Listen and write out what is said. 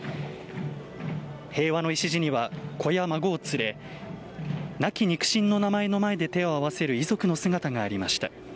平和の礎には、子や孫を連れ亡き肉親の名前の前で手を合わせる遺族の姿がありました。